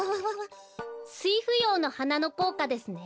スイフヨウのはなのこうかですね。